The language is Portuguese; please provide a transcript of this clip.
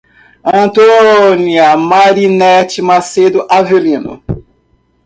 Antônia Marinete Macedo Avelino